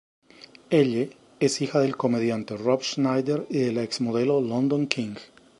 Elle es hija del comediante Rob Schneider y de la exmodelo London King.